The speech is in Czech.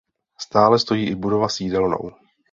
Stále stojí i budova s jídelnou.